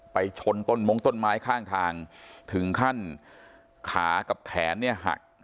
ชนต้นมงต้นไม้ข้างทางถึงขั้นขากับแขนเนี่ยหัก